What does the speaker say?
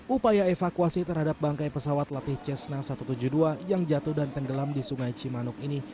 upaya evakuasi terhadap bangkai pesawat latih cessna satu ratus tujuh puluh dua yang jatuh dan tenggelam di sungai cimanuk ini